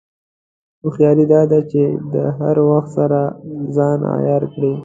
هوښیاري دا ده چې د هر وخت سره ځان عیار کړې.